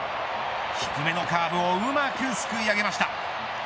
低めのカーブをうまくすくい上げました。